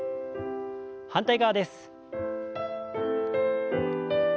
反対側です。